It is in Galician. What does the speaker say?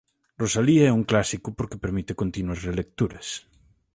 Rosalía é un clásico porque permite continúas relecturas.